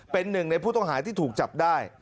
เป็นหนึ่งในผู้ต้องหาที่ถูกจับได้